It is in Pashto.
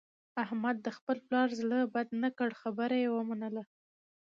احمد د خپل پلار زړه بد نه کړ، خبره یې ومنله.